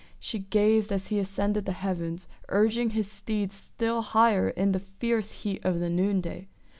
She gazed as he ascended the heavens, urging his steeds still higher in the fierce heat of the noonday.